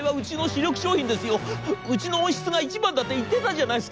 うちの音質が一番だって言ってたじゃないすか！